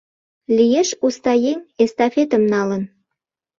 Лиеш уста еҥ, эстафетым налын.